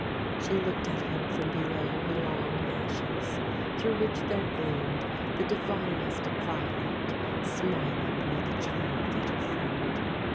She looked at him from below her long lashes, through which there gleamed the divinest violet, smiling like a child at her friend.